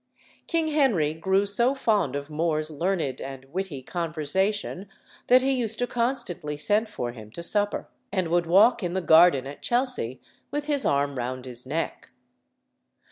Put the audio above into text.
King Henry grew so fond of More's learned and witty conversation, that he used to constantly send for him to supper, and would walk in the garden at Chelsea with his arm round his neck.